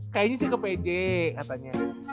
kayaknya sih ke pj katanya